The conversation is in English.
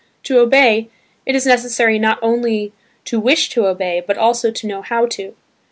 To obey, it is necessary not only to wish to obey, but also to know how to.